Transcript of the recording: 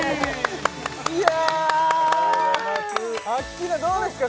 いやアッキーナどうですか？